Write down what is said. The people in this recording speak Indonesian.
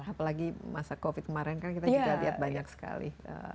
apalagi masa covid kemarin kan kita juga lihat banyak sekali